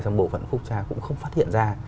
trong bộ phận phúc tra cũng không phát hiện ra